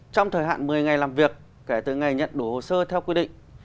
trong thời hạn một mươi ngày làm việc kể từ ngày nhận đủ hồ sơ theo quy định